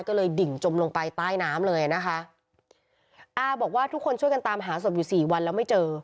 ก็เลยดิ่งจมลงไปใต้น้ำเลยนะคะอาบอกว่าทุกคนช่วยกันตามหาศพอยู่สี่วันแล้วไม่เจอ